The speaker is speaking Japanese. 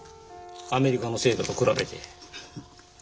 アメリカの生徒と比べて。